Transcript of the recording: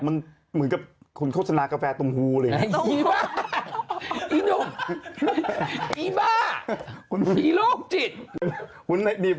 เหมือนกับคนโฆษณากาแฟตรงหูคืออย่างน้อง